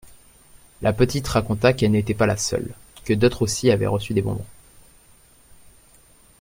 La petite raconta qu'elle n'était pas la seule, que d'autres aussi avaient reçu des bonbons.